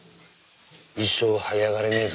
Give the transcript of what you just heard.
一生はい上がれねえぞ。